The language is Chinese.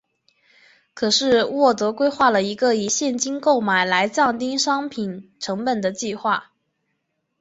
于是沃德规划了一个以现金购买来降低商品成本的计划。